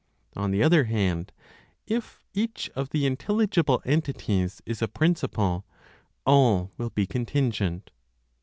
On the other hand, if each of the intelligible entities is a principle, all will be contingent.